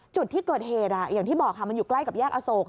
จุดที่เกิดเหตุอย่างที่บอกค่ะมันอยู่ใกล้กับแยกอโศก